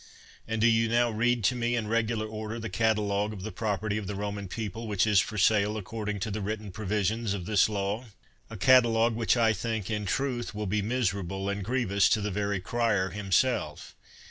And do you now read to me in regular order, the catalog of the property of the Roman people which is for sale according to the written provisions of this law. A catalog which I think, in truth, will be miserable and grievous to the very crier himself.